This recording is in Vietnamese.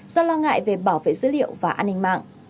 do lo ngại về bảo vệ dữ liệu và an ninh mạng